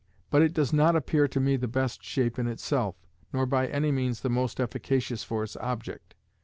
But it does not appear to me the best shape in itself, nor by any means the most efficacious for its object.